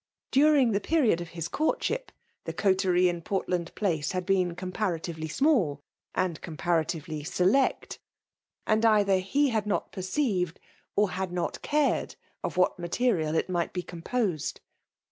During die period of his courtship, the coterie in Port land Place bad been comporatiTely small, an^ 96 FEMALE DOMINATION. comparatively select ; and either he had not perceived^ or had not cared of what material it might be composed.